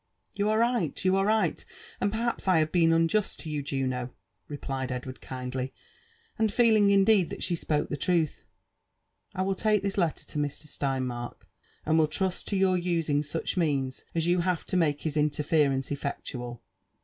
'< You are right— you are right, and perhaps I have been unjust to you, Juno," replied Edward kindly, and feeling indeed that shespoke the truth : ''I will take this letter to Mr. Steinmark, and will trust to your using such means as you have to make his interference effectual.